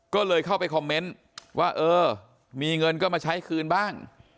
ก็เลยเข้าไปคอมเมนต์ว่าเออมีเงินก็มาใช้คืนบ้าง